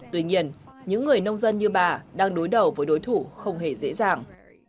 tuy nhiên những người nông dân như bà đang đối đầu với đối thủ không hề dễ dàng